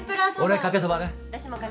俺かけそばね。